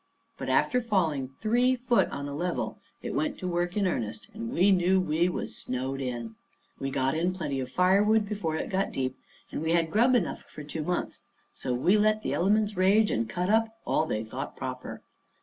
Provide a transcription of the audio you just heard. But after falling three foot on a level it went to work in earnest; and we knew we was snowed in. We got in plenty of firewood before it got deep, and we had grub enough for two months, so we let the elements rage and cut up all they thought proper.